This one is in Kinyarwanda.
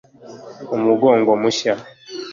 umugongo mushya